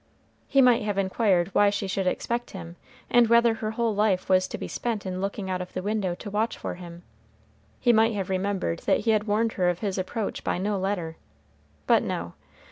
He might have inquired why she should expect him, and whether her whole life was to be spent in looking out of the window to watch for him. He might have remembered that he had warned her of his approach by no letter. But no.